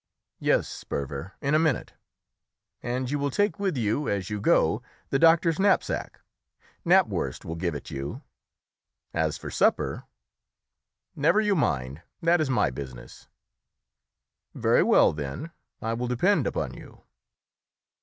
"Yes, Sperver, in a minute." "And you will take with you, as you go, the doctor's knapsack. Knapwurst will give it you. As for supper " "Never you mind. That is my business." "Very well, then. I will depend upon you."